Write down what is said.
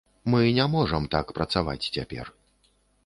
Мы не можам так працаваць цяпер.